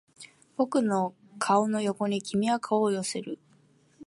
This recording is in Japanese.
僕の顔の横に君は顔を寄せる